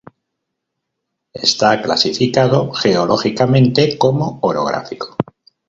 Está clasificado geológicamente como orográfico.